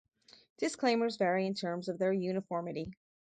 Disclaimers vary in terms of their uniformity.